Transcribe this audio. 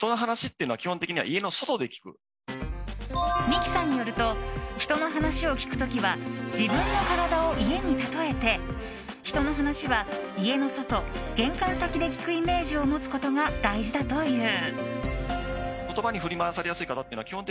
みきさんによると人の話を聞く時は自分の体を家に例えて人の話は家の外玄関先で聞くイメージを持つことが大事だという。